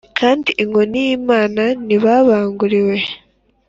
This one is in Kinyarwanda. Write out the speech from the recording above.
kandi inkoni y’imana ntibabanguriwe